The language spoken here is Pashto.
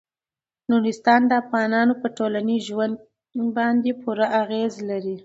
نورستان د افغانانو په ټولنیز ژوند باندې پوره اغېز لري.